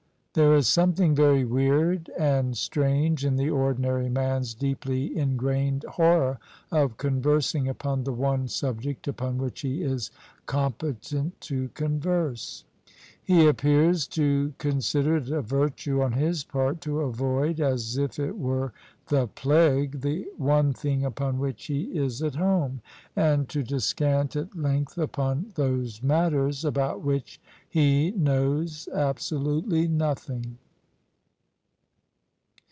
There is something very weird and strange in the ordinary man's deeply ingrained horror of conversing upon the one subject upon which he is competent to converse. He appears to consider it a virtue on his part to avoid, as if it were the plague, the one theme upon which he is at home, and to descant at length upon those matters about which he knows absolutely nothing.